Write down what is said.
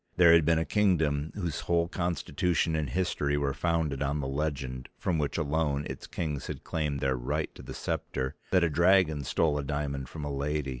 There had been a kingdom whose whole constitution and history were founded on the legend, from which alone its kings had claimed their right to the scepter, that a dragon stole a diamond from a lady.